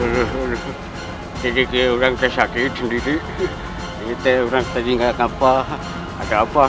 lho lho lho jadi kita orangnya sakit sendiri kita orang tadi nggak dapat ada apa